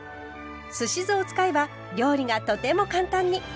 すし酢を使えば料理がとても簡単に！